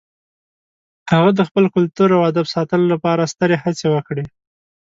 هغه د خپل کلتور او ادب ساتلو لپاره سترې هڅې وکړې.